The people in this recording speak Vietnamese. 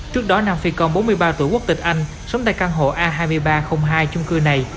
trước đó nam phi công bốn mươi ba tuổi quốc tịch anh sống tại căn hộ a hai nghìn ba trăm linh hai trung cư này